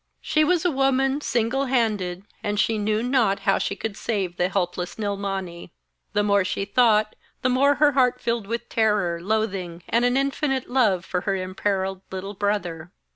She was a woman, single handed, and she knew not how she could save the helpless Nilmani. The more she thought, the more her heart filled with terror, loathing, and an infinite love for her imperilled little brother.